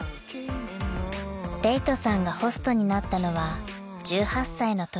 ［礼人さんがホストになったのは１８歳のとき］